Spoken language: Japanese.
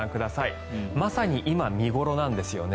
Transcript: まさに今、見頃なんですよね。